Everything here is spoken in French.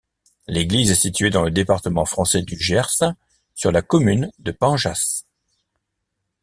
L'église est située dans le département français du Gers, sur la commune de Panjas.